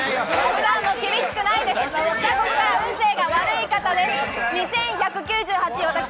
ここから運勢が悪い方です。